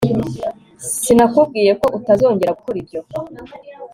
Sinakubwiye ko utazongera gukora ibyo